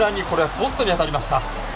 ポストに当たりました。